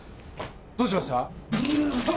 どうしました？あっ！